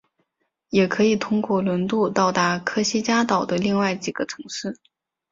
也可以通过轮渡到达科西嘉岛的另外几个城市。